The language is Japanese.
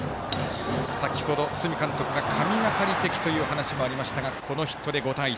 先ほど堤監督が神がかり的という話もありましたがこのヒットで５対１。